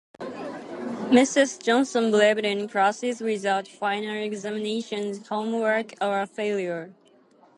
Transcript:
Mrs. Johnson believed in classes without final examinations, homework, or failure.